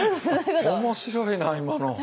面白いな今の。